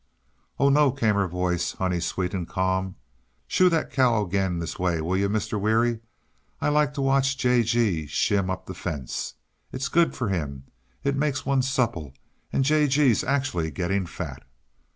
"Oh, no," came her voice, honey sweet and calm. "Shoo that cow this way again, will you, Mr..Weary? I like to watch J. G. shin up the fence. It's good for him; it makes one supple, and J. G.'s actually getting fat."